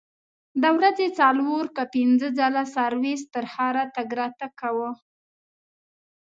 د ورځې څلور که پنځه ځلې سرویس تر ښاره تګ راتګ کاوه.